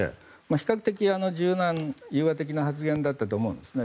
比較的、柔軟融和的な発言だったと思うんですね。